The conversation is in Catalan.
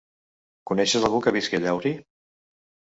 Coneixes algú que visqui a Llaurí?